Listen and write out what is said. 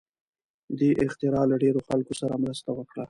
دې اختراع له ډېرو خلکو سره مرسته وکړه.